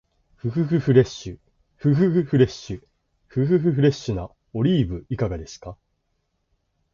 ふふふフレッシュ、ふふふフレッシュ、ふふふフレッシュなオリーブいかがですか？